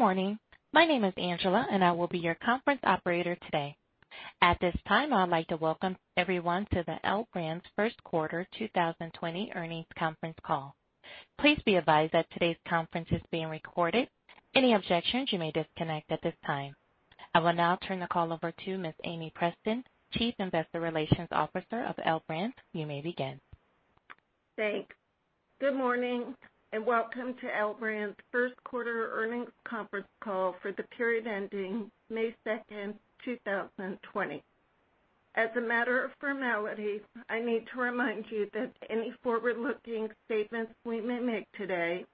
Good morning. My name is Angela. I will be your conference operator today. At this time, I would like to welcome everyone to the L Brands' first quarter 2020 earnings conference call. Please be advised that today's conference is being recorded. Any objections, you may disconnect at this time. I will now turn the call over to Miss Amie Preston, Chief Investor Relations Officer of L Brands. You may begin. Thanks. Good morning and welcome to L Brands' first quarter earnings conference call for the period ending May 2nd, 2020. As a matter of formality, I need to remind you that any forward-looking statements we may make today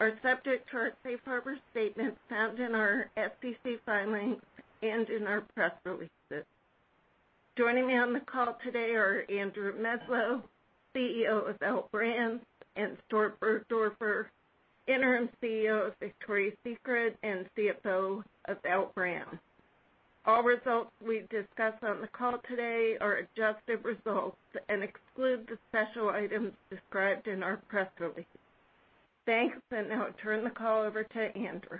are subject to safe harbor statements found in our SEC filings and in our press releases. Joining me on the call today are Andrew Meslow, CEO of L Brands, and Stuart Burgdoerfer, Interim CEO of Victoria's Secret and CFO of L Brands. All results we discuss on the call today are adjusted results and exclude the special items described in our press release. Thanks. Now I turn the call over to Andrew.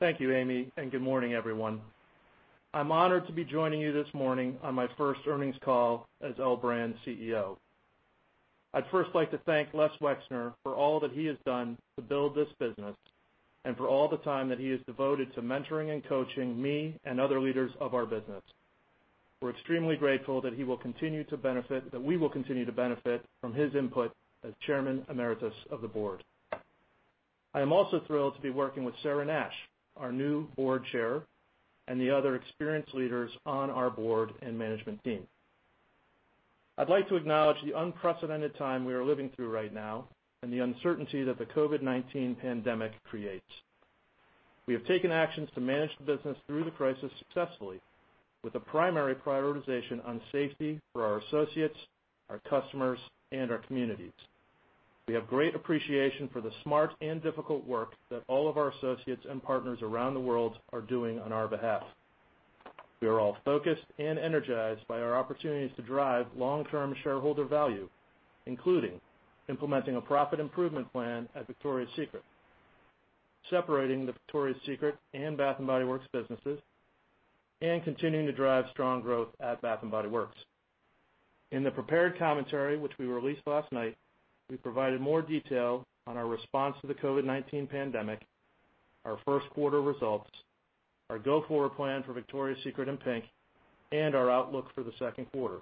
Thank you, Amie, and good morning, everyone. I'm honored to be joining you this morning on my first earnings call as L Brands CEO. I'd first like to thank Les Wexner for all that he has done to build this business and for all the time that he has devoted to mentoring and coaching me and other leaders of our business. We're extremely grateful that we will continue to benefit from his input as Chairman Emeritus of the Board. I am also thrilled to be working with Sarah Nash, our new Board Chair, and the other experienced leaders on our board and management team. I'd like to acknowledge the unprecedented time we are living through right now and the uncertainty that the COVID-19 pandemic creates. We have taken actions to manage the business through the crisis successfully with a primary prioritization on safety for our associates, our customers, and our communities. We have great appreciation for the smart and difficult work that all of our associates and partners around the world are doing on our behalf. We are all focused and energized by our opportunities to drive long-term shareholder value, including implementing a profit improvement plan at Victoria's Secret, separating the Victoria's Secret and Bath & Body Works businesses, and continuing to drive strong growth at Bath & Body Works. In the prepared commentary, which we released last night, we provided more detail on our response to the COVID-19 pandemic, our first quarter results, our go-forward plan for Victoria's Secret and PINK, and our outlook for the second quarter.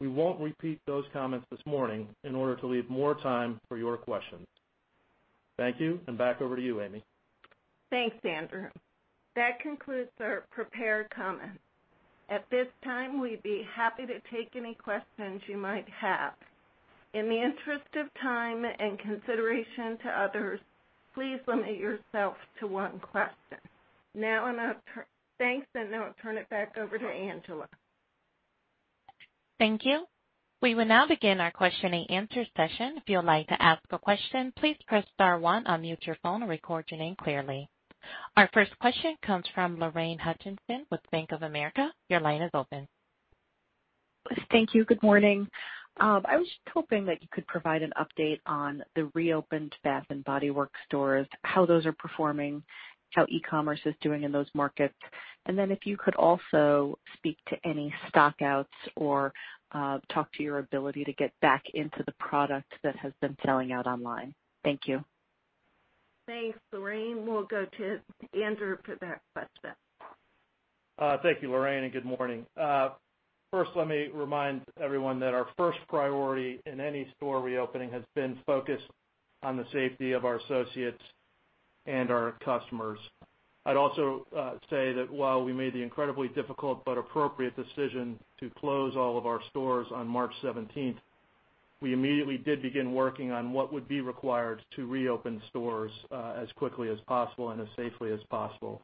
We won't repeat those comments this morning in order to leave more time for your questions. Thank you, and back over to you, Amy. Thanks, Andrew. That concludes our prepared comments. At this time, we'd be happy to take any questions you might have. In the interest of time and consideration to others, please limit yourself to one question. Thanks. Now I turn it back over to Angela. Thank you. We will now begin our question-and-answer session. If you would like to ask a question, please press star one, unmute your phone, and record your name clearly. Our first question comes from Lorraine Hutchinson with Bank of America. Your line is open. Thank you. Good morning. I was hoping that you could provide an update on the reopened Bath & Body Works stores, how those are performing, how e-commerce is doing in those markets, and then if you could also speak to any stock-outs or talk to your ability to get back into the product that has been selling out online. Thank you. Thanks, Lorraine. We'll go to Andrew for that question. Thank you, Lorraine. Good morning. First, let me remind everyone that our first priority in any store reopening has been focused on the safety of our associates and our customers. I'd also say that while we made the incredibly difficult but appropriate decision to close all of our stores on March 17th, we immediately did begin working on what would be required to reopen stores as quickly as possible and as safely as possible.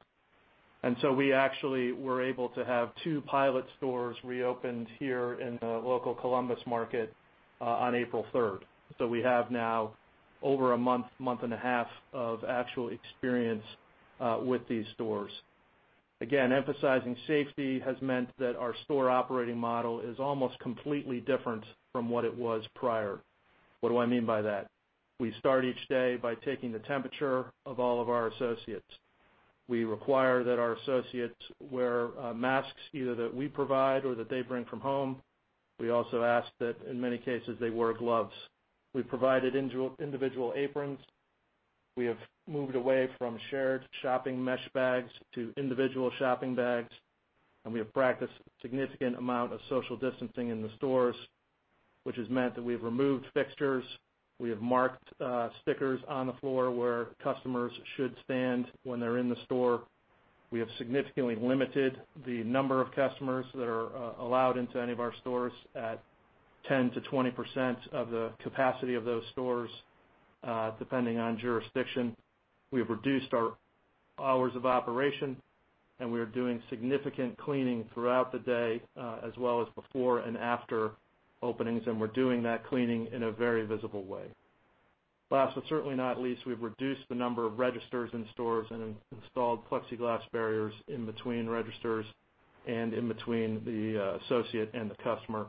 We actually were able to have two pilot stores reopened here in the local Columbus market on April 3rd. We have now over a month and a half of actual experience with these stores. Again, emphasizing safety has meant that our store operating model is almost completely different from what it was prior. What do I mean by that? We start each day by taking the temperature of all of our associates. We require that our associates wear masks, either that we provide or that they bring from home. We also ask that, in many cases, they wear gloves. We provided individual aprons. We have moved away from shared shopping mesh bags to individual shopping bags, and we have practiced a significant amount of social distancing in the stores, which has meant that we've removed fixtures. We have marked stickers on the floor where customers should stand when they're in the store. We have significantly limited the number of customers that are allowed into any of our stores at 10%-20% of the capacity of those stores, depending on jurisdiction. We have reduced our hours of operation. We are doing significant cleaning throughout the day, as well as before and after openings. We are doing that cleaning in a very visible way. Last but certainly not least, we have reduced the number of registers in stores and installed plexiglass barriers in between registers and in between the associate and the customer.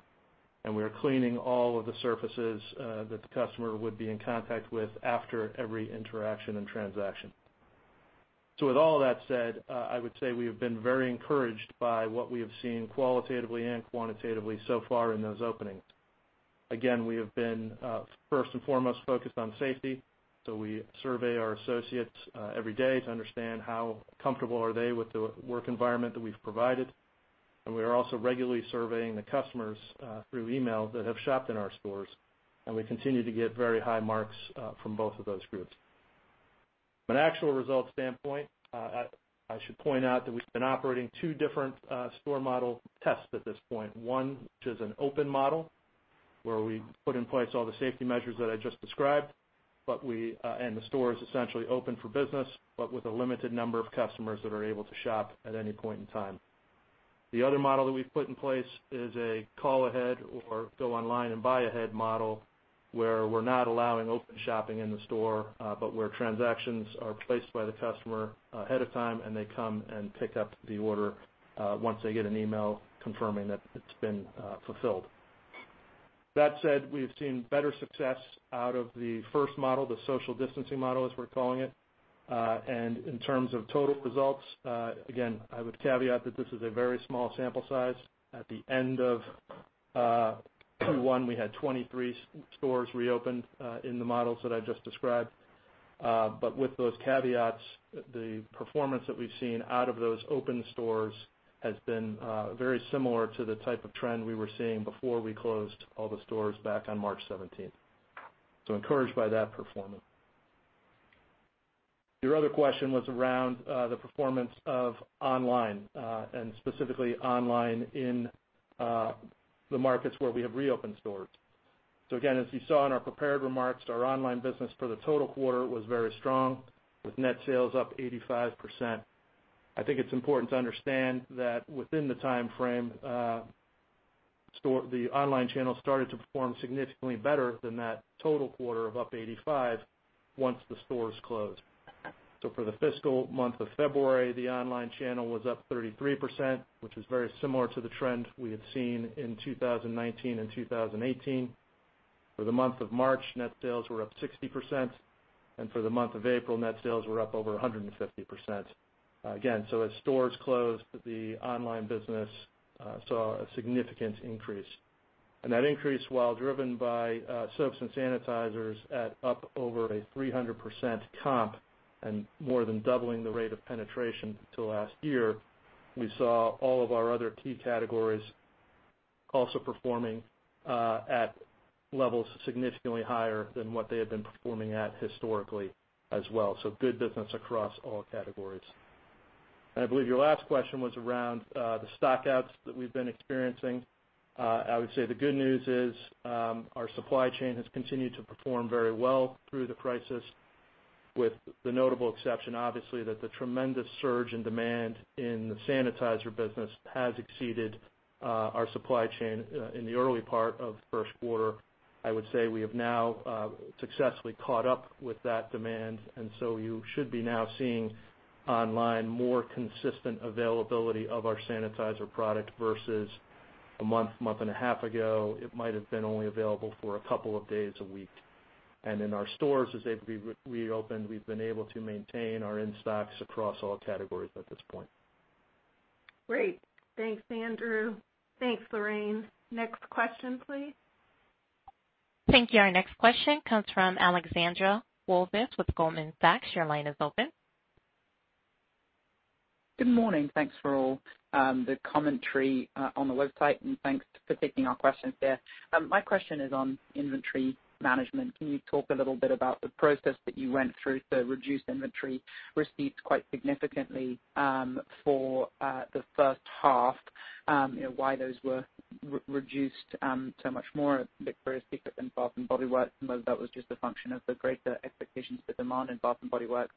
We are cleaning all of the surfaces that the customer would be in contact with after every interaction and transaction. With all that said, I would say we have been very encouraged by what we have seen qualitatively and quantitatively so far in those openings. Again, we have been first and foremost focused on safety. We survey our associates every day to understand how comfortable are they with the work environment that we have provided. We are also regularly surveying the customers through email that have shopped in our stores. We continue to get very high marks from both of those groups. From an actual results standpoint, I should point out that we've been operating two different store model tests at this point. One, which is an open model, where we put in place all the safety measures that I just described and the store is essentially open for business, but with a limited number of customers that are able to shop at any point in time. The other model that we've put in place is a call ahead or go online and buy ahead model, where we're not allowing open shopping in the store, but where transactions are placed by the customer ahead of time, and they come and pick up the order, once they get an email confirming that it's been fulfilled. That said, we have seen better success out of the first model, the social distancing model, as we're calling it. In terms of total results, again, I would caveat that this is a very small sample size. At the end of Q1, we had 23 stores reopened, in the models that I just described. With those caveats, the performance that we've seen out of those open stores has been very similar to the type of trend we were seeing before we closed all the stores back on March 17. Encouraged by that performance. Your other question was around the performance of online, and specifically online in the markets where we have reopened stores. Again, as you saw in our prepared remarks, our online business for the total quarter was very strong, with net sales up 85%. I think it's important to understand that within the timeframe, the online channel started to perform significantly better than that total quarter of up 85% once the stores closed. For the fiscal month of February, the online channel was up 33%, which was very similar to the trend we had seen in 2019 and 2018. For the month of March, net sales were up 60%, and for the month of April, net sales were up over 150%. Again, as stores closed, the online business saw a significant increase. That increase while driven by soaps and sanitizers at up over a 300% comp and more than doubling the rate of penetration to last year, we saw all of our other key categories also performing at levels significantly higher than what they had been performing at historically as well. Good business across all categories. I believe your last question was around the stock-outs that we've been experiencing. I would say the good news is our supply chain has continued to perform very well through the crisis with the notable exception, obviously, that the tremendous surge in demand in the sanitizer business has exceeded our supply chain in the early part of the first quarter. I would say we have now successfully caught up with that demand. You should be now seeing online more consistent availability of our sanitizer product versus a month and a half ago, it might have been only available for a couple of days a week. In our stores, as they've reopened, we've been able to maintain our in-stocks across all categories at this point. Great. Thanks, Andrew. Thanks, Lorraine. Next question, please. Thank you. Our next question comes from Alexandra Walvis with Goldman Sachs. Your line is open. Good morning. Thanks for all the commentary on the website, and thanks for taking our questions here. My question is on inventory management. Can you talk a little bit about the process that you went through to reduce inventory receipts quite significantly, for the first half? Why those were reduced so much more at Victoria's Secret than Bath & Body Works, and whether that was just a function of the greater expectations for demand in Bath & Body Works.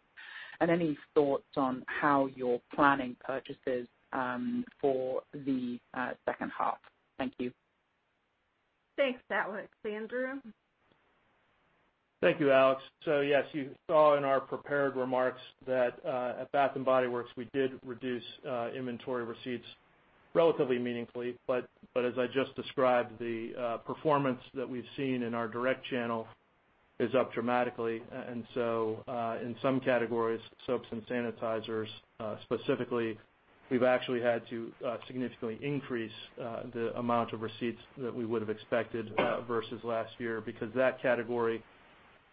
Any thoughts on how you're planning purchases for the second half. Thank you. Thanks, Alex. Andrew? Thank you, Alex. Yes, you saw in our prepared remarks that, at Bath & Body Works, we did reduce inventory receipts relatively meaningfully. In some categories, soaps and sanitizers, specifically, we've actually had to significantly increase the amount of receipts that we would've expected versus last year, because that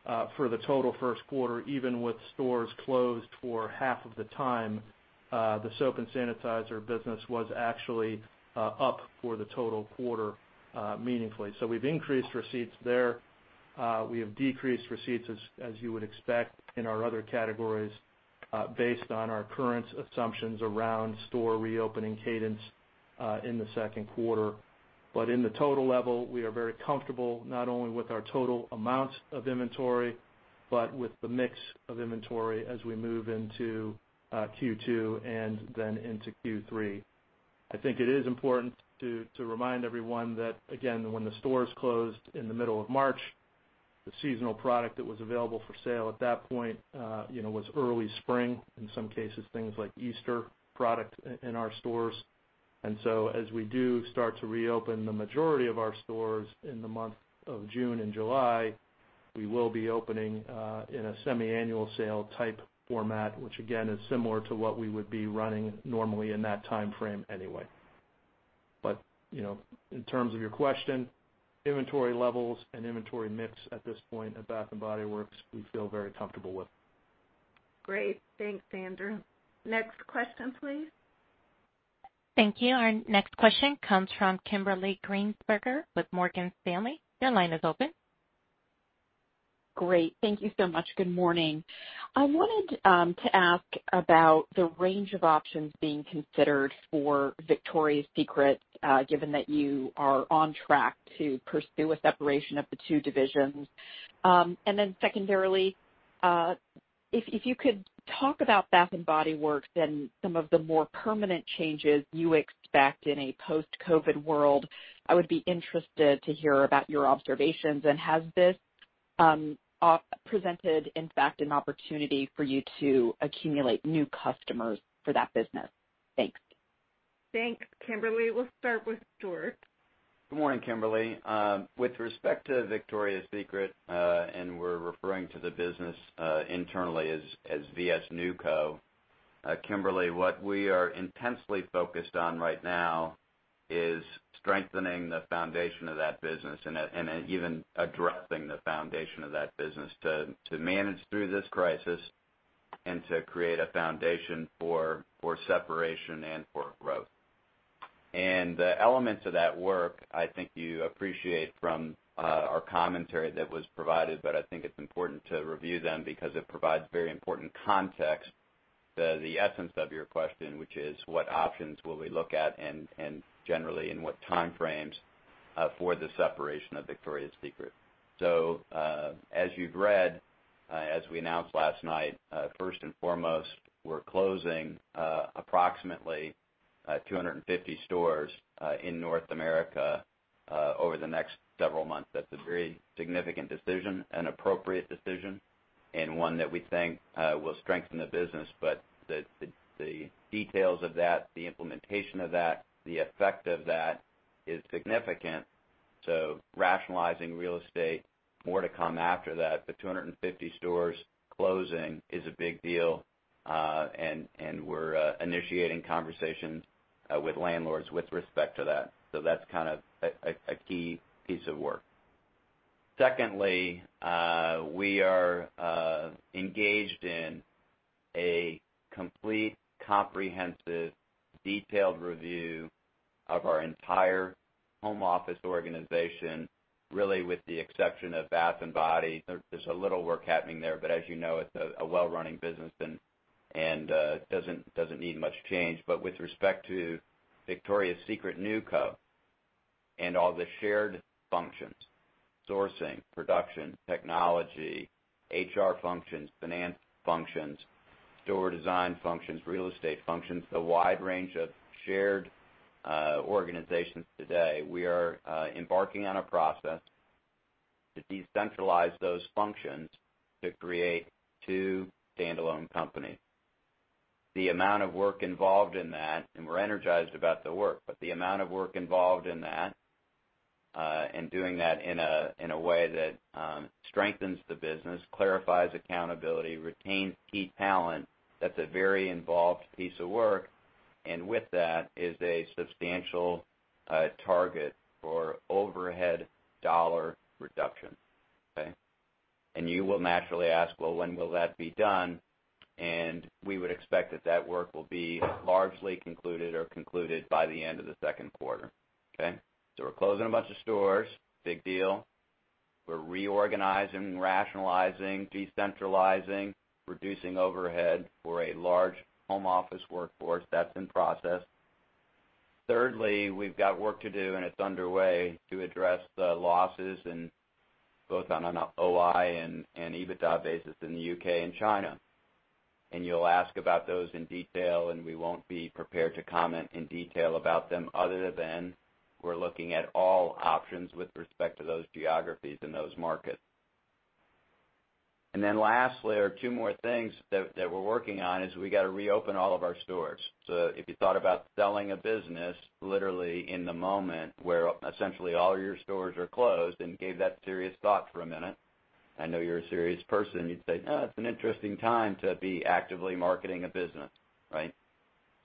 category, for the total first quarter, even with stores closed for half of the time, the soap and sanitizer business was actually up for the total quarter meaningfully. We've increased receipts there. We have decreased receipts as you would expect in our other categories, based on our current assumptions around store reopening cadence, in the second quarter. In the total level, we are very comfortable not only with our total amount of inventory, but with the mix of inventory as we move into Q2 and then into Q3. I think it is important to remind everyone that, again, when the stores closed in the middle of March. The seasonal product that was available for sale at that point was early spring, in some cases, things like Easter product in our stores. As we do start to reopen the majority of our stores in the month of June and July, we will be opening in a semi-annual sale type format, which again, is similar to what we would be running normally in that timeframe anyway. In terms of your question, inventory levels and inventory mix at this point at Bath & Body Works, we feel very comfortable with. Great. Thanks, Andrew. Next question, please. Thank you. Our next question comes from Kimberly Greenberger with Morgan Stanley. Your line is open. Great. Thank you so much. Good morning. I wanted to ask about the range of options being considered for Victoria's Secret, given that you are on track to pursue a separation of the two divisions. Secondarily, if you could talk about Bath & Body Works and some of the more permanent changes you expect in a post-COVID world, I would be interested to hear about your observations and has this presented, in fact, an opportunity for you to accumulate new customers for that business? Thanks. Thanks, Kimberly. We'll start with Stuart. Good morning, Kimberly. With respect to Victoria's Secret, we're referring to the business internally as VS NewCo. Kimberly, what we are intensely focused on right now is strengthening the foundation of that business and even addressing the foundation of that business to manage through this crisis and to create a foundation for separation and for growth. The elements of that work, I think you appreciate from our commentary that was provided, I think it's important to review them because it provides very important context to the essence of your question, which is what options will we look at and generally in what time frames for the separation of Victoria's Secret. As you've read, as we announced last night, first and foremost, we're closing approximately 250 stores in North America over the next several months. That's a very significant decision, an appropriate decision, and one that we think will strengthen the business, but the details of that, the implementation of that, the effect of that is significant. Rationalizing real estate, more to come after that, but 250 stores closing is a big deal, and we're initiating conversations with landlords with respect to that. Secondly, we are engaged in a complete, comprehensive, detailed review of our entire home office organization, really with the exception of Bath & Body. There's a little work happening there, but as you know, it's a well-running business and doesn't need much change. With respect to Victoria's Secret NewCo and all the shared functions, sourcing, production, technology, HR functions, finance functions, store design functions, real estate functions, the wide range of shared organizations today, we are embarking on a process to decentralize those functions to create two standalone companies. The amount of work involved in that, and we're energized about the work, but the amount of work involved in that, and doing that in a way that strengthens the business, clarifies accountability, retains key talent, that's a very involved piece of work. With that is a substantial target for overhead dollar reduction. Okay? You will naturally ask, well, when will that be done? We would expect that that work will be largely concluded or concluded by the end of the second quarter. Okay? We're closing a bunch of stores, big deal. We're reorganizing, rationalizing, decentralizing, reducing overhead for a large home office workforce that's in process. Thirdly, we've got work to do, and it's underway to address the losses both on an OI and EBITDA basis in the U.K. and China. You'll ask about those in detail, and we won't be prepared to comment in detail about them other than we're looking at all options with respect to those geographies and those markets. Lastly, there are two more things that we're working on is we got to reopen all of our stores. If you thought about selling a business, literally in the moment where essentially all your stores are closed and gave that serious thought for a minute, I know you're a serious person, you'd say, oh, it's an interesting time to be actively marketing a business. Right?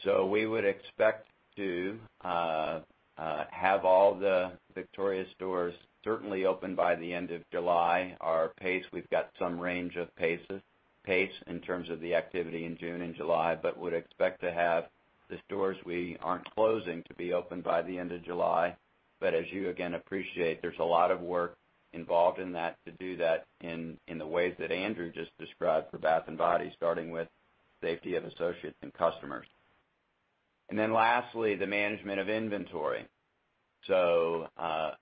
We would expect to have all the Victoria's stores certainly open by the end of July. Our pace, we've got some range of pace in terms of the activity in June and July, but would expect to have the stores we aren't closing to be open by the end of July. As you again appreciate, there's a lot of work involved in that to do that in the ways that Andrew just described for Bath & Body, starting with safety of associates and customers. Lastly, the management of inventory.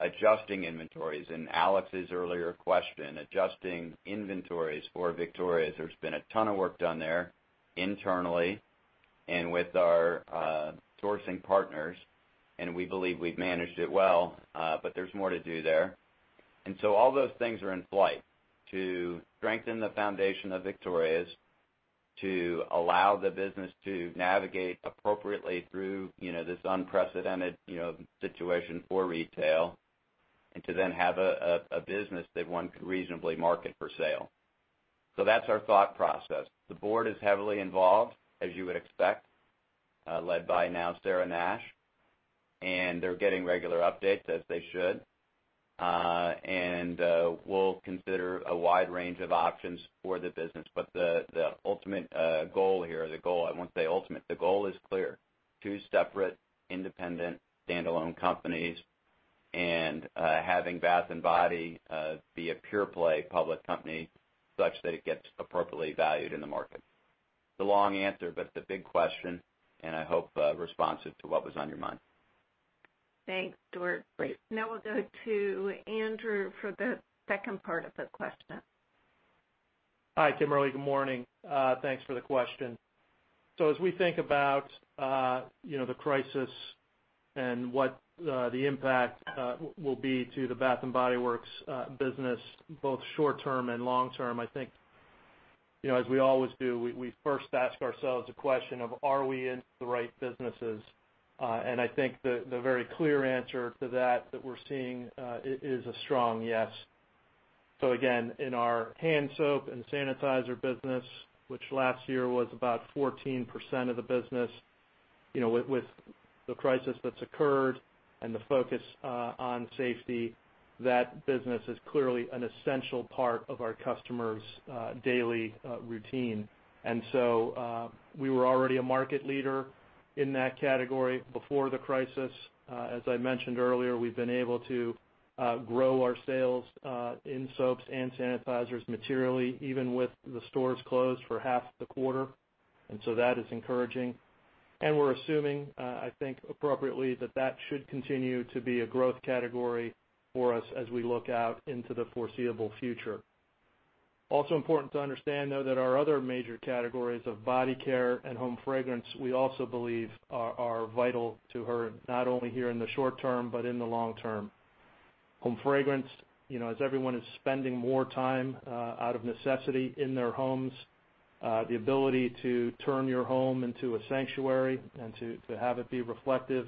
Adjusting inventories, and Alex's earlier question, adjusting inventories for Victoria's. There's been a ton of work done there internally and with our sourcing partners, and we believe we've managed it well, but there's more to do there. All those things are in flight to strengthen the foundation of Victoria's, to allow the business to navigate appropriately through this unprecedented situation for retail, and to then have a business that one could reasonably market for sale. That's our thought process. The board is heavily involved, as you would expect, led by now Sarah Nash, and they're getting regular updates as they should. We'll consider a wide range of options for the business. The ultimate goal here, or the goal, I won't say ultimate, the goal is clear. Two separate independent standalone companies, and having Bath & Body be a pure play public company such that it gets appropriately valued in the market. It's a long answer, but it's the big question, and I hope responsive to what was on your mind. Thanks, Stuart. Great. Now we'll go to Andrew for the second part of the question. Hi, Kimberly. Good morning. Thanks for the question. As we think about the crisis and what the impact will be to the Bath & Body Works business, both short-term and long-term, I think, as we always do, we first ask ourselves the question of are we in the right businesses? I think the very clear answer to that we're seeing, is a strong yes. Again, in our hand soap and sanitizer business, which last year was about 14% of the business. With the crisis that's occurred and the focus on safety, that business is clearly an essential part of our customer's daily routine. We were already a market leader in that category before the crisis. As I mentioned earlier, we've been able to grow our sales in soaps and sanitizers materially, even with the stores closed for half the quarter, and so that is encouraging. We're assuming, I think appropriately, that that should continue to be a growth category for us as we look out into the foreseeable future. Also important to understand, though, that our other major categories of body care and home fragrance, we also believe are vital to her, not only here in the short term, but in the long term. Home fragrance, as everyone is spending more time, out of necessity, in their homes, the ability to turn your home into a sanctuary and to have it be reflective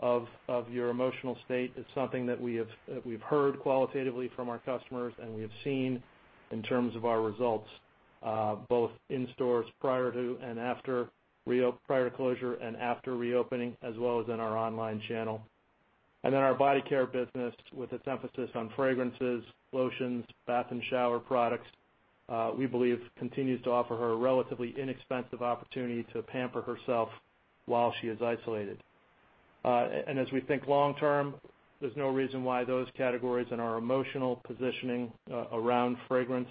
of your emotional state is something that we've heard qualitatively from our customers and we have seen in terms of our results, both in stores prior to closure and after reopening, as well as in our online channel. Our body care business, with its emphasis on fragrances, lotions, bath, and shower products, we believe continues to offer her a relatively inexpensive opportunity to pamper herself while she is isolated. As we think long term, there's no reason why those categories and our emotional positioning around fragrance,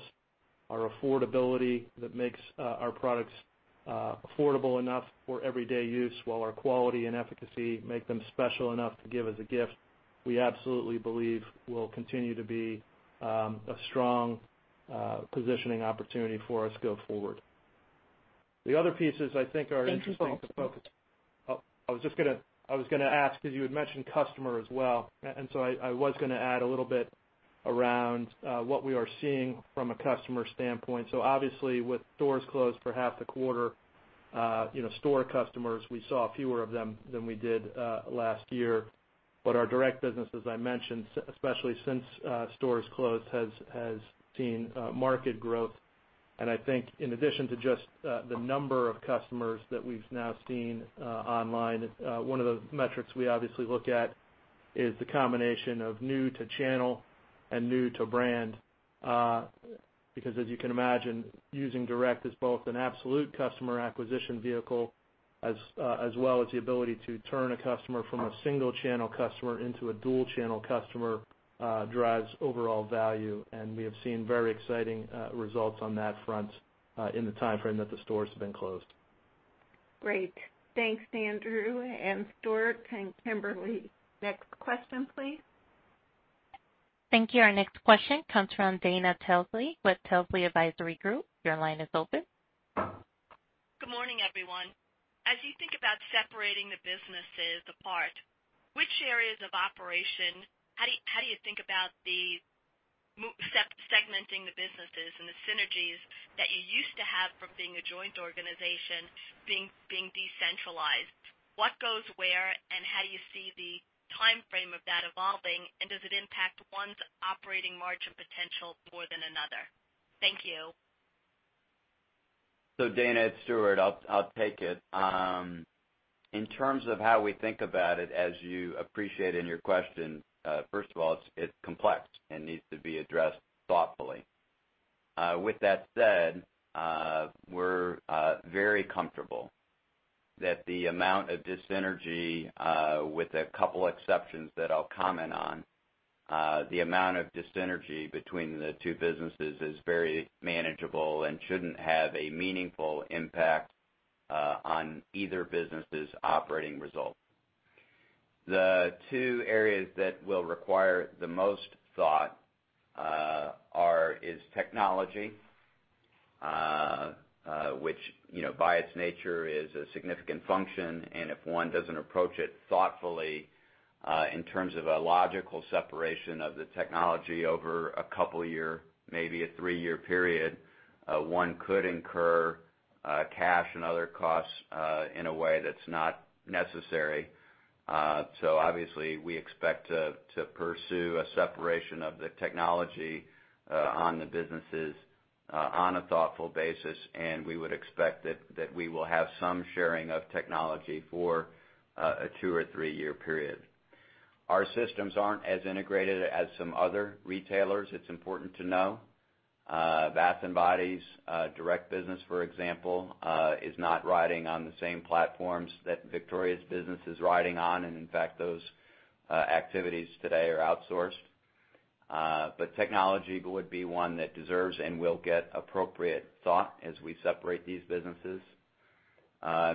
our affordability that makes our products affordable enough for everyday use while our quality and efficacy make them special enough to give as a gift, we absolutely believe will continue to be a strong positioning opportunity for us go forward. The other pieces I think are interesting to focus. Thank you. I was going to ask because you had mentioned customer as well, I was going to add a little bit around what we are seeing from a customer standpoint. Obviously, with stores closed for half the quarter, store customers, we saw fewer of them than we did last year. Our direct business, as I mentioned, especially since stores closed, has seen market growth. I think in addition to just the number of customers that we've now seen online, one of the metrics we obviously look at is the combination of new-to-channel and new-to-brand. Because as you can imagine, using direct as both an absolute customer acquisition vehicle as well as the ability to turn a customer from a single-channel customer into a dual-channel customer, drives overall value. We have seen very exciting results on that front in the timeframe that the stores have been closed. Great. Thanks, Andrew and Stuart and Kimberly. Next question, please. Thank you. Our next question comes from Dana Telsey with Telsey Advisory Group. Your line is open. Good morning, everyone. As you think about separating the businesses apart, how do you think about the segmenting the businesses and the synergies that you used to have from being a joint organization, being decentralized? What goes where, and how do you see the timeframe of that evolving, and does it impact one's operating margin potential more than another? Thank you. Dana, it's Stuart. I'll take it. In terms of how we think about it, as you appreciate in your question, first of all, it's complex and needs to be addressed thoughtfully. With that said, we're very comfortable that the amount of dysenergy, with a couple exceptions that I'll comment on, the amount of dis-synergy between the two businesses is very manageable and shouldn't have a meaningful impact on either business's operating results. The two areas that will require the most thought are technology, which by its nature is a significant function, and if one doesn't approach it thoughtfully in terms of a logical separation of the technology over a couple of year, maybe a three-year period, one could incur cash and other costs in a way that's not necessary. Obviously, we expect to pursue a separation of the technology on the businesses on a thoughtful basis, and we would expect that we will have some sharing of technology for a two or three-year period. Our systems aren't as integrated as some other retailers, it's important to know. Bath & Body's direct business, for example, is not riding on the same platforms that Victoria's business is riding on. In fact, those activities today are outsourced. Technology would be one that deserves and will get appropriate thought as we separate these businesses.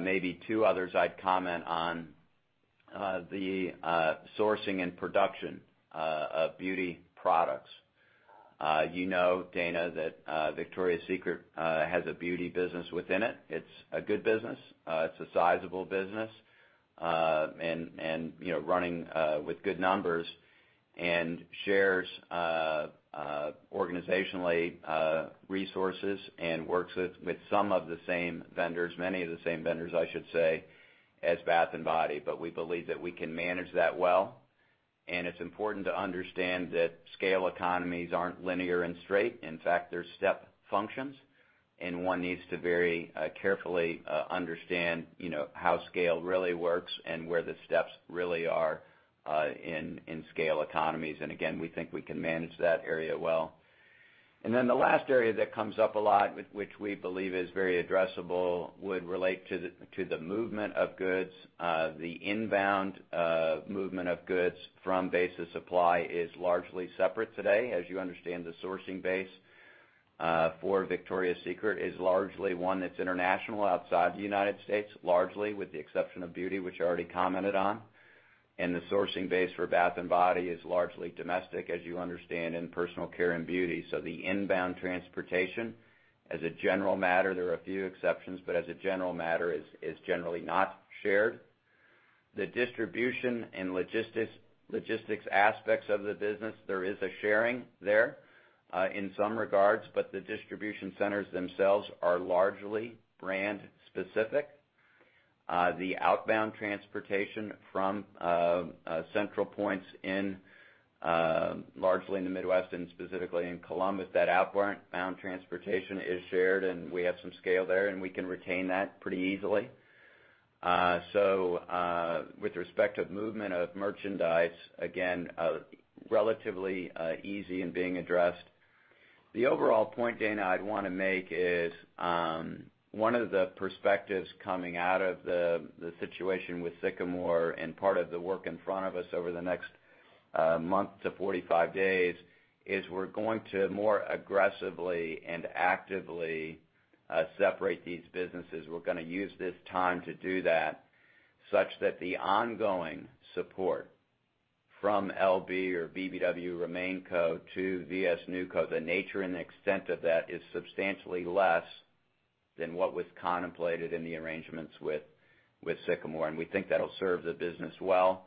Maybe two others I'd comment on, the sourcing and production of beauty products. You know, Dana, that Victoria's Secret has a beauty business within it. It's a good business. It's a sizable business, and running with good numbers, and shares organizationally resources, and works with some of the same vendors, many of the same vendors, I should say, as Bath & Body. We believe that we can manage that well. It's important to understand that scale economies aren't linear and straight. In fact, they're step functions, and one needs to very carefully understand how scale really works and where the steps really are in scale economies. Again, we think we can manage that area well. Then the last area that comes up a lot, which we believe is very addressable, would relate to the movement of goods. The inbound movement of goods from base to supply is largely separate today. As you understand, the sourcing base for Victoria's Secret is largely one that's international, outside the United States, largely with the exception of beauty, which I already commented on. The sourcing base for Bath & Body is largely domestic, as you understand, in personal care and beauty. The inbound transportation, as a general matter, there are a few exceptions, but as a general matter, is generally not shared. The distribution and logistics aspects of the business, there is a sharing there in some regards, but the distribution centers themselves are largely brand specific. The outbound transportation from central points largely in the Midwest and specifically in Columbus, that outbound transportation is shared, and we have some scale there, and we can retain that pretty easily. With respect to movement of merchandise, again, relatively easy and being addressed. The overall point, Dana, I'd want to make is one of the perspectives coming out of the situation with Sycamore and part of the work in front of us over the next month to 45 days is we're going to more aggressively and actively separate these businesses. We're going to use this time to do that such that the ongoing support from LB or BBW RemainCo to VS NewCo, the nature and extent of that is substantially less than what was contemplated in the arrangements with Sycamore. We think that'll serve the business well,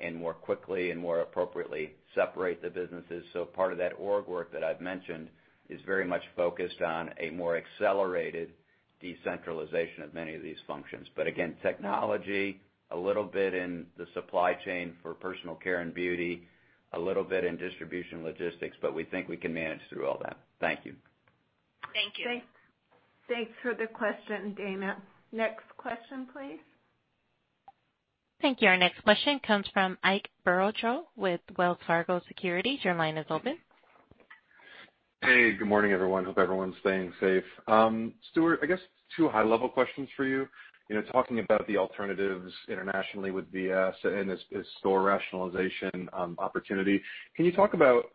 and more quickly and more appropriately separate the businesses. Part of that org work that I've mentioned is very much focused on a more accelerated decentralization of many of these functions. Again, technology a little bit in the supply chain for personal care and beauty, a little bit in distribution logistics, but we think we can manage through all that. Thank you. Thank you. Thanks for the question, Dana. Next question, please. Thank you. Our next question comes from Ike Boruchow with Wells Fargo Securities. Your line is open. Hey, good morning, everyone. Hope everyone's staying safe. Stuart, I guess two high-level questions for you. Talking about the alternatives internationally with VS and its store rationalization opportunity, can you talk about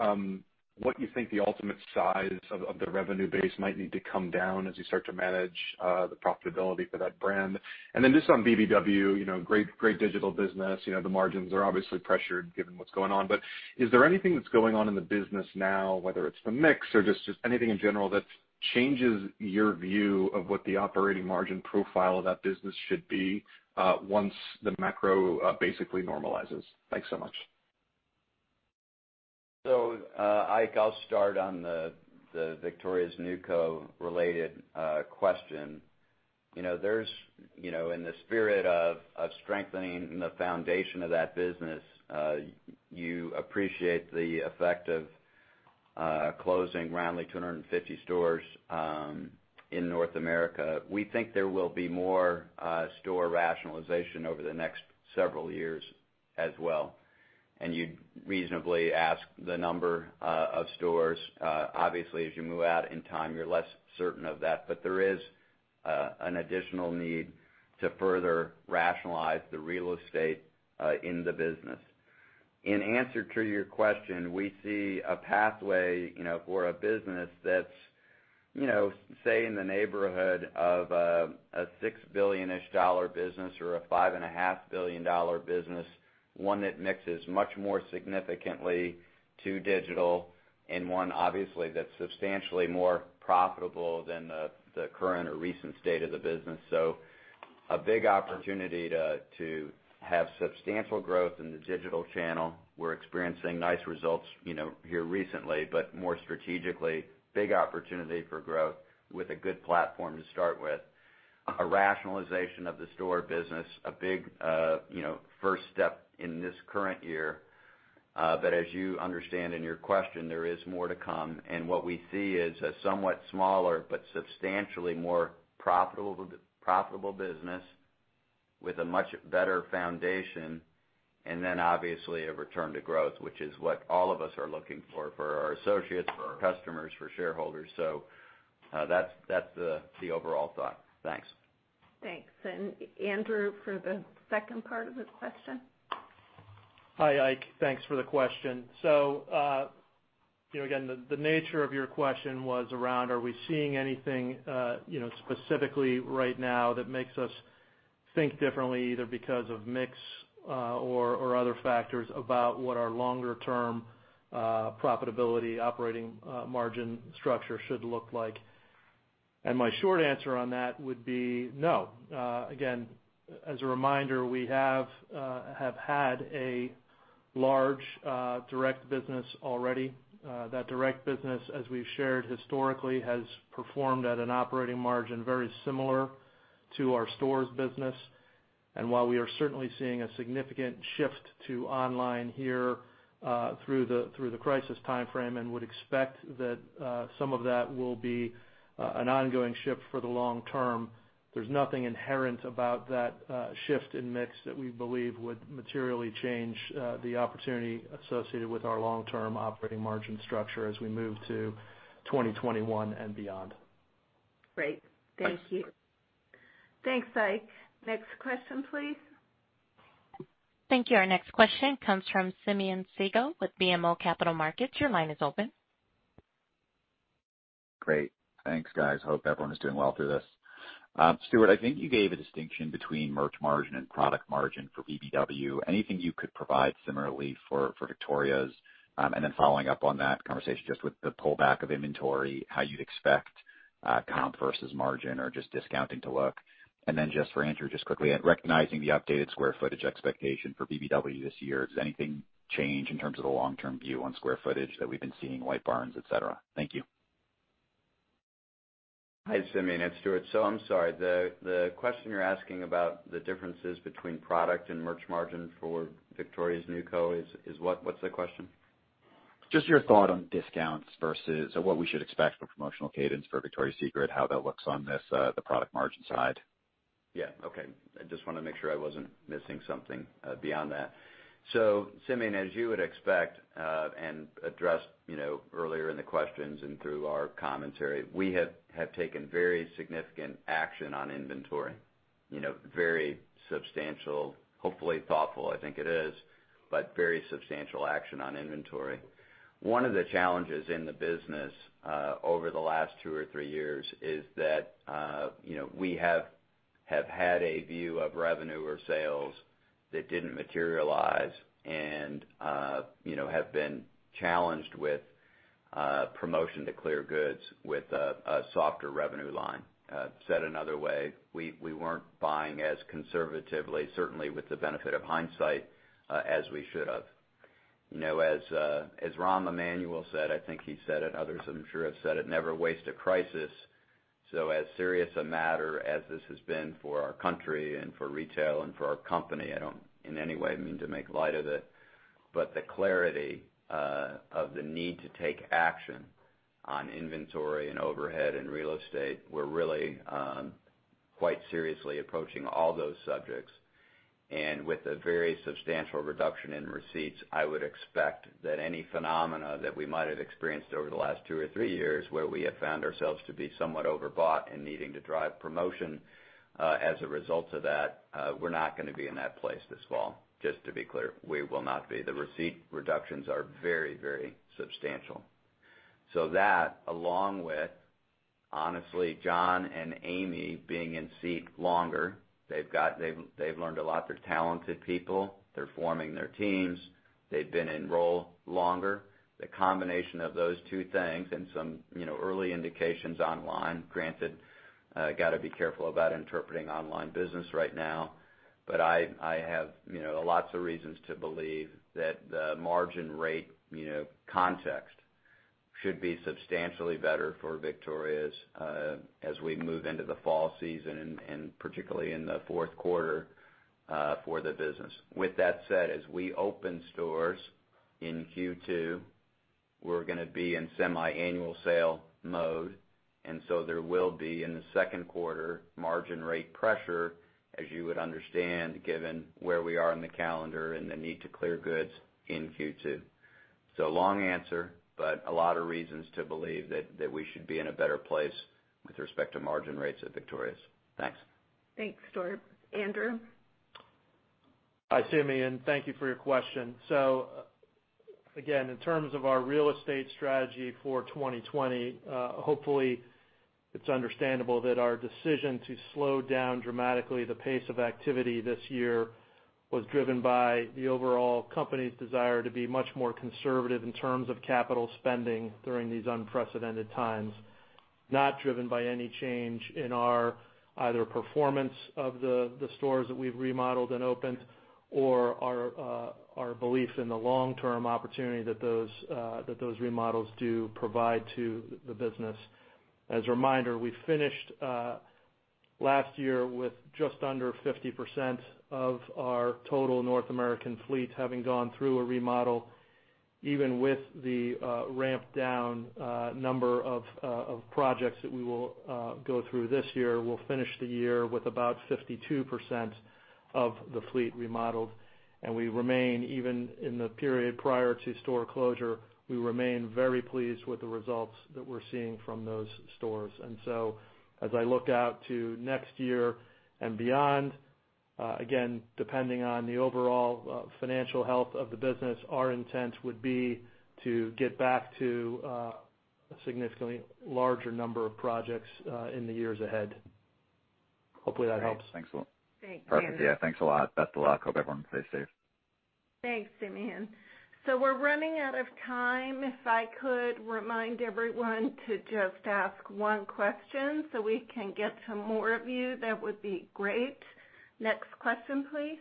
what you think the ultimate size of the revenue base might need to come down as you start to manage the profitability for that brand? Just on BBW, great digital business. The margins are obviously pressured given what's going on, but is there anything that's going on in the business now, whether it's the mix or just anything in general that changes your view of what the operating margin profile of that business should be once the macro basically normalizes? Thanks so much. Ike, I'll start on the Victoria's NewCo related question. In the spirit of strengthening the foundation of that business, you appreciate the effect of closing around 250 stores in North America. We think there will be more store rationalization over the next several years as well, and you'd reasonably ask the number of stores. Obviously, as you move out in time, you're less certain of that. There is an additional need to further rationalize the real estate in the business. In answer to your question, we see a pathway for a business that's, say, in the neighborhood of a $6 billion-ish business or a $5.5 billion business, one that mixes much more significantly to digital, and one obviously that's substantially more profitable than the current or recent state of the business. A big opportunity to have substantial growth in the digital channel. We're experiencing nice results here recently, more strategically, big opportunity for growth with a good platform to start with. A rationalization of the store business, a big first step in this current year. As you understand in your question, there is more to come, and what we see is a somewhat smaller but substantially more profitable business with a much better foundation. Obviously a return to growth, which is what all of us are looking for our associates, for our customers, for shareholders. That's the overall thought. Thanks. Thanks. Andrew, for the second part of the question? Hi, Ike. Thanks for the question. Again, the nature of your question was around, are we seeing anything specifically right now that makes us think differently, either because of mix or other factors about what our longer-term profitability operating margin structure should look like. My short answer on that would be no. Again, as a reminder, we have had a large direct business already. That direct business, as we've shared historically, has performed at an operating margin very similar to our stores business. While we are certainly seeing a significant shift to online here through the crisis timeframe and would expect that some of that will be an ongoing shift for the long term, there's nothing inherent about that shift in mix that we believe would materially change the opportunity associated with our long-term operating margin structure as we move to 2021 and beyond. Great. Thank you. Thanks, Ike. Next question, please. Thank you. Our next question comes from Simeon Siegel with BMO Capital Markets. Your line is open. Great. Thanks, guys. Hope everyone is doing well through this. Stuart, I think you gave a distinction between merch margin and product margin for BBW. Anything you could provide similarly for Victoria's? Following up on that conversation, just with the pullback of inventory, how you'd expect comp versus margin or just discounting to look. Just for Andrew, just quickly, recognizing the updated square footage expectation for BBW this year, does anything change in terms of the long-term view on square footage that we've been seeing, White Barn, et cetera? Thank you. Hi, Simeon. It's Stuart. I'm sorry, the question you're asking about the differences between product and merch margin for Victoria's NewCo is what? What's the question? Just your thought on discounts versus what we should expect for promotional cadence for Victoria's Secret, how that looks on the product margin side. Yeah. Okay. I just want to make sure I wasn't missing something beyond that. Simeon, as you would expect, and addressed earlier in the questions and through our commentary, we have taken very significant action on inventory, very substantial, hopefully thoughtful, I think it is, but very substantial action on inventory. One of the challenges in the business, over the last two or three years is that we have had a view of revenue or sales that didn't materialize and have been challenged with promotion to clear goods with a softer revenue line. Said another way, we weren't buying as conservatively, certainly with the benefit of hindsight, as we should have. As Rahm Emanuel said, I think he said it, others I'm sure have said it, never waste a crisis. As serious a matter as this has been for our country and for retail and for our company, I don't in any way mean to make light of it, but the clarity of the need to take action on inventory and overhead and real estate, we're really quite seriously approaching all those subjects. With a very substantial reduction in receipts, I would expect that any phenomena that we might have experienced over the last two or three years where we have found ourselves to be somewhat overbought and needing to drive promotion, as a result of that, we're not going to be in that place this fall, just to be clear. We will not be. The receipt reductions are very substantial. That, along with, honestly, John and Amy being in seat longer, they've learned a lot. They're talented people. They're forming their teams. They've been in role longer. The combination of those two things and some early indications online, granted, got to be careful about interpreting online business right now, but I have lots of reasons to believe that the margin rate context should be substantially better for Victoria's, as we move into the fall season and particularly in the fourth quarter, for the business. With that said, as we open stores in Q2, we're going to be in semi-annual sale mode, and so there will be, in the second quarter, margin rate pressure, as you would understand, given where we are in the calendar and the need to clear goods in Q2. Long answer, but a lot of reasons to believe that we should be in a better place with respect to margin rates at Victoria's. Thanks. Thanks, Stuart. Andrew? Hi, Simeon. Thank you for your question. Again, in terms of our real estate strategy for 2020, hopefully, it's understandable that our decision to slow down dramatically the pace of activity this year was driven by the overall company's desire to be much more conservative in terms of capital spending during these unprecedented times, not driven by any change in our either performance of the stores that we've remodeled and opened or our belief in the long-term opportunity that those remodels do provide to the business. As a reminder, we finished last year with just under 50% of our total North American fleet having gone through a remodel, even with the ramped-down number of projects that we will go through this year. We'll finish the year with about 52% of the fleet remodeled, and we remain, even in the period prior to store closure, we remain very pleased with the results that we're seeing from those stores. As I look out to next year and beyond, again, depending on the overall financial health of the business, our intent would be to get back to a significantly larger number of projects in the years ahead. Hopefully, that helps. Thanks a lot. Thanks, Andrew. Perfect. Yeah, thanks a lot. Best of luck. Hope everyone plays safe. Thanks, Simeon. We're running out of time. If I could remind everyone to just ask one question so we can get to more of you, that would be great. Next question, please.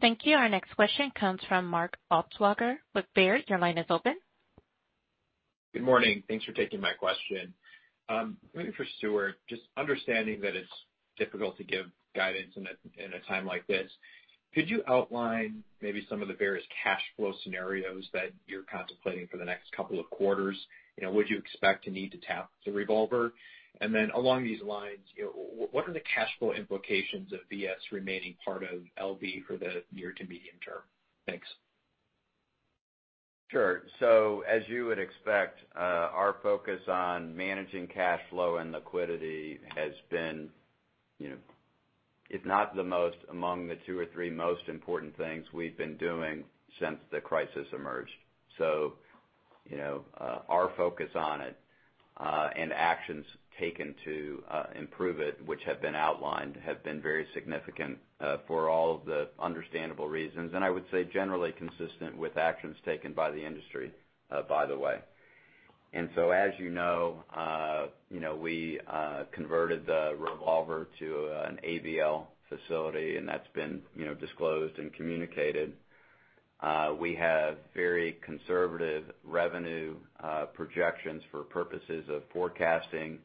Thank you. Our next question comes from Mark Altschwager with Baird. Your line is open. Good morning. Thanks for taking my question. Maybe for Stuart, just understanding that it's difficult to give guidance in a time like this, could you outline maybe some of the various cash flow scenarios that you're contemplating for the next couple of quarters? Would you expect to need to tap the revolver? Along these lines, what are the cash flow implications of VS remaining part of LB for the near to medium term? Thanks. Sure. As you would expect, our focus on managing cash flow and liquidity has been, if not the most, among the two or three most important things we've been doing since the crisis emerged. Our focus on it, and actions taken to improve it, which have been outlined, have been very significant for all of the understandable reasons, and I would say generally consistent with actions taken by the industry, by the way. As you know, we converted the revolver to an ABL facility, and that's been disclosed and communicated. We have very conservative revenue projections for purposes of forecasting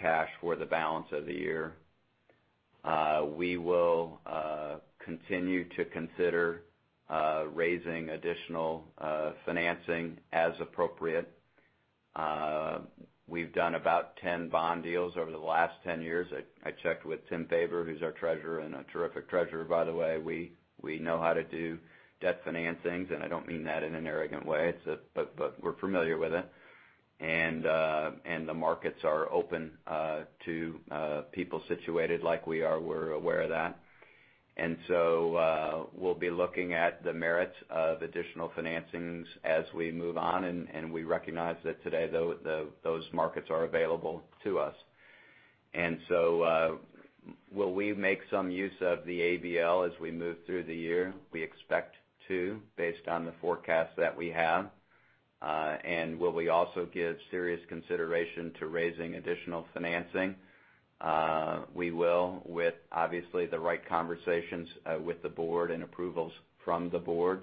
cash for the balance of the year. We will continue to consider raising additional financing as appropriate. We've done about 10 bond deals over the last 10 years. I checked with Tim Faber, who's our treasurer and a terrific treasurer, by the way. We know how to do debt financings, and I don't mean that in an arrogant way. We're familiar with it. The markets are open to people situated like we are. We're aware of that. We'll be looking at the merits of additional financings as we move on, and we recognize that today, those markets are available to us. Will we make some use of the ABL as we move through the year? We expect to, based on the forecast that we have. Will we also give serious consideration to raising additional financing? We will, with obviously the right conversations with the board and approvals from the board.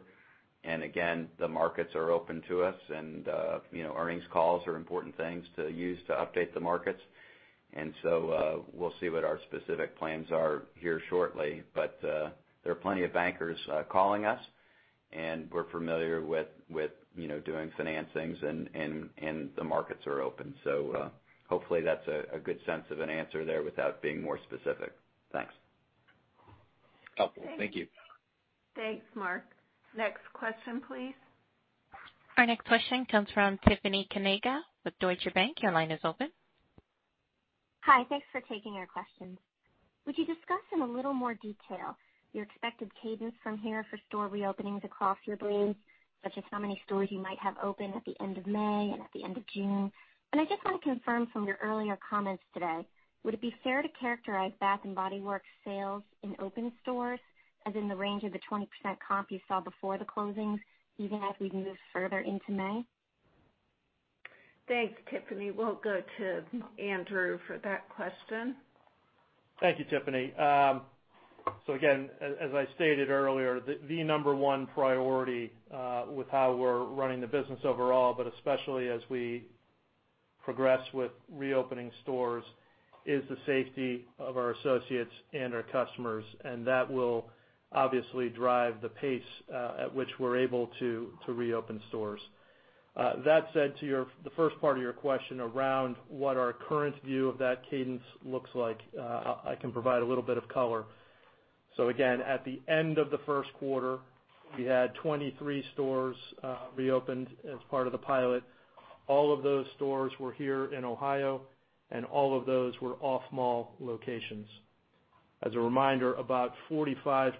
Again, the markets are open to us and earnings calls are important things to use to update the markets. We'll see what our specific plans are here shortly. There are plenty of bankers calling us, and we're familiar with doing financings and the markets are open. Hopefully that's a good sense of an answer there without being more specific. Thanks. Helpful. Thank you. Thanks, Mark. Next question, please. Our next question comes from Tiffany Kanaga with Deutsche Bank. Your line is open. Hi. Thanks for taking our questions. Would you discuss in a little more detail your expected cadence from here for store reopenings across your brands, such as how many stores you might have open at the end of May and at the end of June? I just want to confirm from your earlier comments today, would it be fair to characterize Bath & Body Works sales in open stores as in the range of the 20% comp you saw before the closings, even as we move further into May? Thanks, Tiffany. We'll go to Andrew for that question. Thank you, Tiffany. Again, as I stated earlier, the number one priority, with how we're running the business overall, but especially as we progress with reopening stores, is the safety of our associates and our customers, and that will obviously drive the pace at which we're able to reopen stores. That said, to the first part of your question around what our current view of that cadence looks like, I can provide a little bit of color. Again, at the end of the first quarter, we had 23 stores reopened as part of the pilot. All of those stores were here in Ohio, and all of those were off-mall locations. As a reminder, about 45%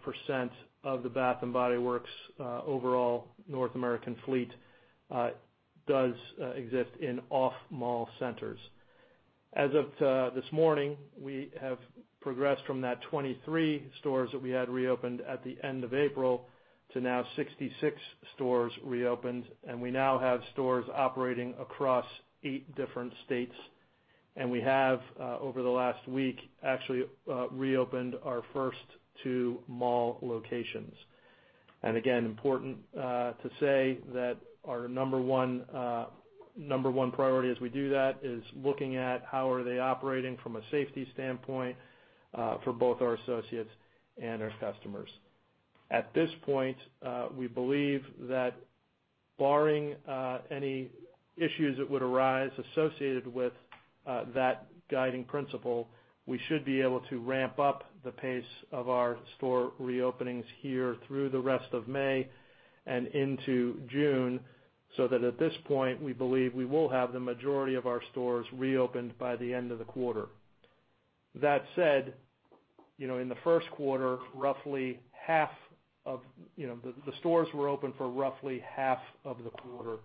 of the Bath & Body Works overall North American fleet does exist in off-mall centers. As of this morning, we have progressed from that 23 stores that we had reopened at the end of April to now 66 stores reopened, and we now have stores operating across eight different states. We have, over the last week, actually reopened our first two mall locations. Again, important to say that our number one priority as we do that is looking at how are they operating from a safety standpoint for both our associates and our customers. At this point, we believe that barring any issues that would arise associated with that guiding principle, we should be able to ramp up the pace of our store reopenings here through the rest of May and into June, so that at this point, we believe we will have the majority of our stores reopened by the end of the quarter. That said, the stores were open for roughly half of the quarter,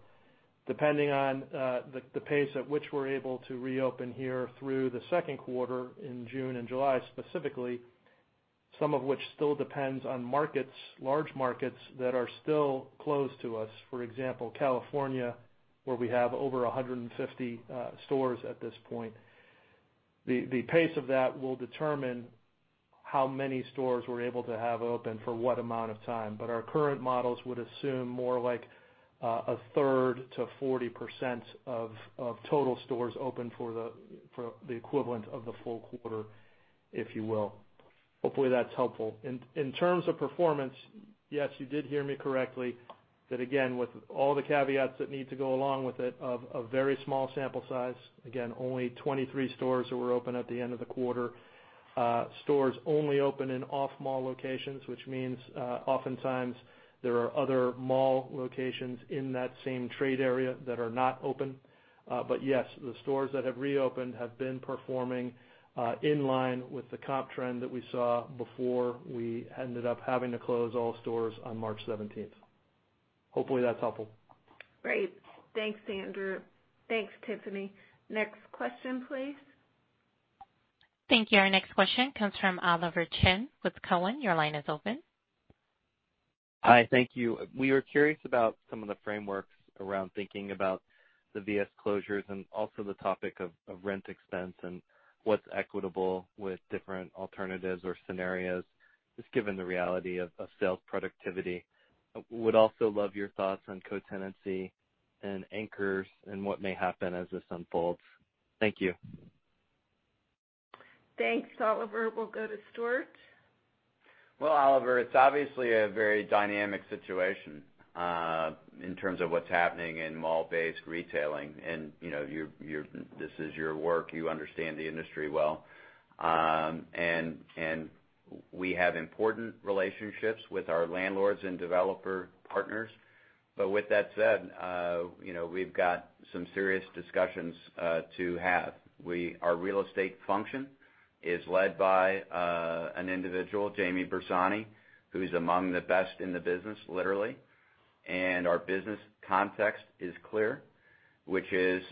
depending on the pace at which we're able to reopen here through the second quarter in June and July, specifically, some of which still depends on large markets that are still closed to us. For example, California, where we have over 150 stores at this point. The pace of that will determine how many stores we're able to have open for what amount of time. Our current models would assume more like a third to 40% of total stores open for the equivalent of the full quarter, if you will. Hopefully, that's helpful. In terms of performance, yes, you did hear me correctly, that again, with all the caveats that need to go along with it, of very small sample size, again, only 23 stores that were open at the end of the quarter. Stores only open in off-mall locations, which means oftentimes there are other mall locations in that same trade area that are not open. Yes, the stores that have reopened have been performing in line with the comp trend that we saw before we ended up having to close all stores on March 17. Hopefully, that's helpful. Great. Thanks, Andrew. Thanks, Tiffany. Next question, please. Thank you. Our next question comes from Oliver Chen with Cowen. Your line is open. Hi. Thank you. We were curious about some of the frameworks around thinking about the VS closures and also the topic of rent expense and what's equitable with different alternatives or scenarios, just given the reality of sales productivity. Would also love your thoughts on co-tenancy and anchors and what may happen as this unfolds. Thank you. Thanks, Oliver. We'll go to Stuart. Well, Oliver, it's obviously a very dynamic situation in terms of what's happening in mall-based retailing and this is your work. You understand the industry well. We have important relationships with our landlords and developer partners. With that said, we've got some serious discussions to have. Our real estate function is led by an individual, Jamie Bersani, who's among the best in the business, literally. Our business context is clear, which is,